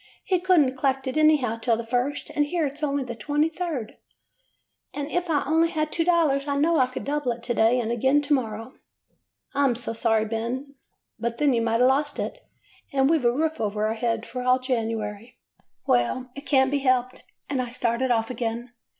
'He could n't collect it anyhow until the first, and here it 's only the 23d. And if I only had two dollars I know I could double it to day and again to morrow.' " 'I 'm so sorry, Ben. But then you might a' lost it, and we 've a roof over our heads for all January.' " 'Well, it can't be helped,' and I started off again.